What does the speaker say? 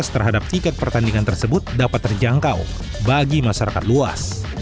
terhadap tiket pertandingan tersebut dapat terjangkau bagi masyarakat luas